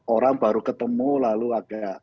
orang baru ketemu lalu agak